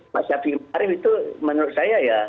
mas syafiq arief itu menurut saya ya